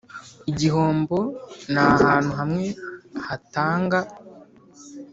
igihombo ni ahantu hamwe hatanga